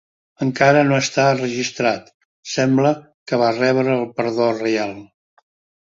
Encara que no està registrat, sembla que va rebre el perdó reial.